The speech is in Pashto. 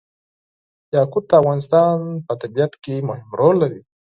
یاقوت د افغانستان په طبیعت کې مهم رول لري.